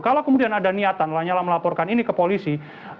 kalau kemudian ada niatan lanyala melaporkan ini ke polisi